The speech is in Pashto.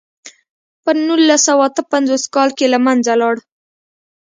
په نولس سوه اته پنځوس کال کې له منځه لاړ.